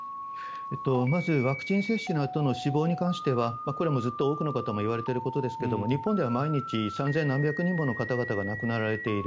まずワクチン接種のあとの死亡に関してはこれはずっと多くの方も言われていることですが日本では毎日３０００何百人もの方が亡くなられている。